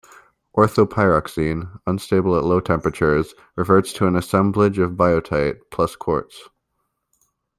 Orthopyroxene, unstable at low temperatures, reverts to an assemblage of biotite plus quartz.